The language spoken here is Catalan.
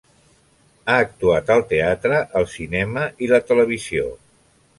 Ha actuat al teatre, el cinema i la televisió.